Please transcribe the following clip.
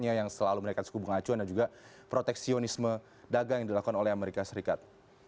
yang selalu menaikkan suku bunga acuan dan juga proteksionisme dagang yang dilakukan oleh amerika serikat